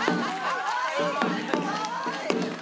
かわいい！